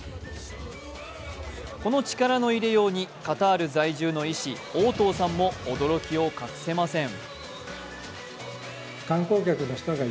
この力の入れようにカタール在住の医師・大藤さんも驚きを隠せません。